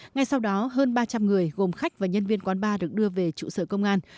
ngay sau đó hơn ba trăm linh người gồm khách và nhân viên quán bar được đưa về trụ sở công an